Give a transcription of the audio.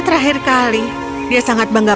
terakhir kali dia sangat bangga